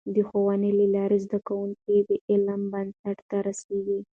د ښوونې له لارې، زده کوونکي د علم بنسټ ته رسېږي.